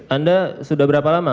anda sudah berapa lama